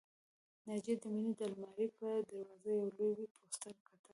ناجیه د مينې د آلمارۍ پر دروازه یو لوی پوسټر کتل